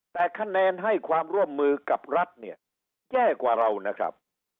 แต่คะแนนให้ความร่วมมือกับรัฐเนี่ยแย่กว่าเรานะครับ